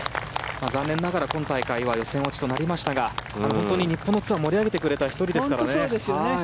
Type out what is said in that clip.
残念ながら今大会は予選落ちとなりましたが本当に日本のツアーを盛り上げてくれた１人ですから。